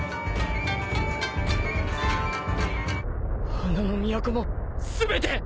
花の都も全て！？